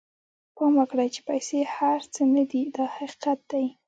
پام وکړئ چې پیسې هر څه نه دي دا حقیقت دی.